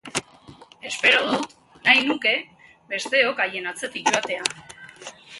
Espero dut, nahi nuke, besteok haien atzetik joatea!